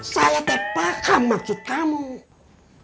saya tepakan maksud kamu